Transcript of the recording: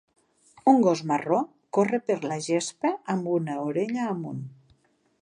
Un gos marró corre per la gespa amb una orella amunt.